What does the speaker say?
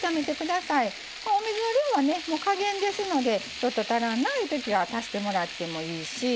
お水の量はね加減ですのでちょっと足らんないうときは足してもらってもいいし。